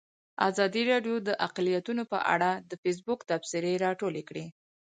ازادي راډیو د اقلیتونه په اړه د فیسبوک تبصرې راټولې کړي.